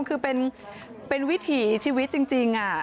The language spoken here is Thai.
คือเป็นวิถีชีวิตจริง